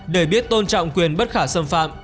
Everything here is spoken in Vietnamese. để biết tôn trọng quyền bất khả xâm phạm